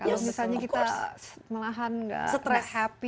kalau misalnya kita melahan nggak happy